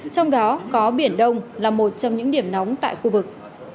trong đó có biển đông là một trong những điểm nóng tại khu vực